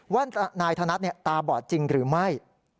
ว่านายธนัดตาบอดจริงหรือไม่